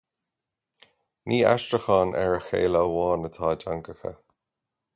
Ní aistriúcháin ar a chéile amháin atá i dteangacha